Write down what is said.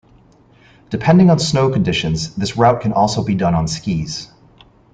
Depending on snow conditions, this route can also be done on skis.